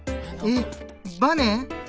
えっ！？バネ？